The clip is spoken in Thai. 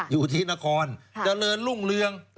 อยู่ที่นครเจริญรุ่งเรือง